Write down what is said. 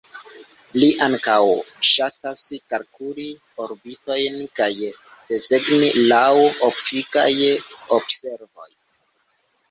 Li ankaŭ ŝatas kalkuli orbitojn kaj desegni laŭ optikaj observoj.